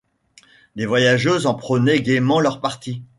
Les voyageuses en prenaient gaiement leur parti.